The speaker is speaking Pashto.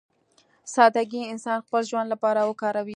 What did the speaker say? سادهګي انسان خپل ژوند لپاره وکاروي.